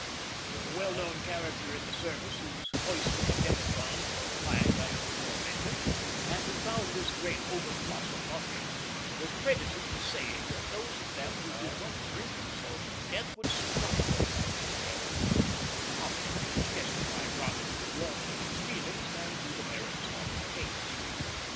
The well known character in the service whose hoisting a demijohn for a flag I have before mentioned, and who found this great overplus above him, was credited with saying that those of them who did not drink themselves to death would strut themselves to death a comment which testified rather to the warmth of his feelings than to the merits of the case.